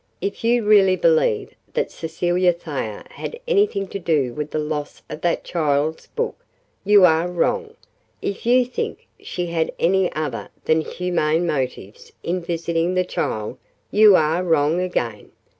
If you really believe that Cecilia Thayer had anything to do with the loss of that child's book, you are wrong; if you think she had any other than humane motives in visiting the child, you are wrong again.